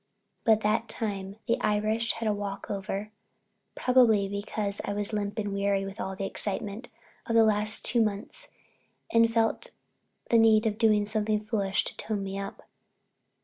But that time the Irish had a walk over, probably because I was limp and weary with all the excitement of the last two months and felt the need of doing something foolish to tone me up.